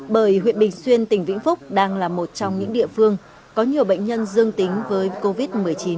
bởi huyện bình xuyên tỉnh vĩnh phúc đang là một trong những địa phương có nhiều bệnh nhân dương tính với covid một mươi chín